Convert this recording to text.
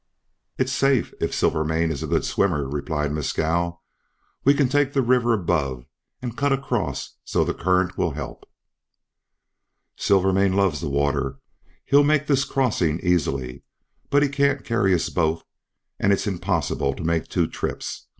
"It's safe, if Silvermane is a good swimmer," replied Mescal. "We can take the river above and cut across so the current will help." "Silvermane loves the water. He'll make this crossing easily. But he can't carry us both, and it's impossible to make two trips.